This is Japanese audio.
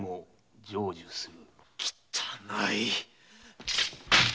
汚い！